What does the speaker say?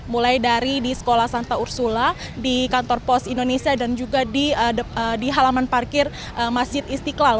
mulai dari di sekolah santa ursula di kantor pos indonesia dan juga di halaman parkir masjid istiqlal